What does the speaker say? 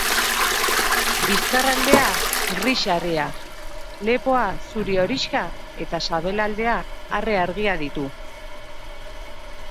Bizkarraldea gris-arrea, lepoa zuri-horixka eta sabelaldea arre argia ditu.